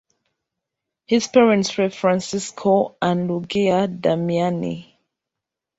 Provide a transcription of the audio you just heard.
His parents were Francesco and Luigia Damiani.